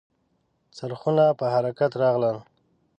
څرخونه په حرکت راغلل .